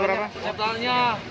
berapa ada totalnya